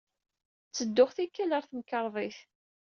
Ttedduɣ, tikkal, ɣer temkarḍit.